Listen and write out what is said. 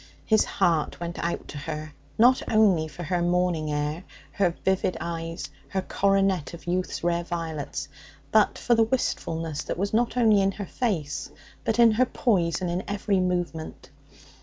His heart went out to her, not only for her morning air, her vivid eyes, her coronet of youth's rare violets, but for the wistfulness that was not only in her face, but in her poise and in every movement.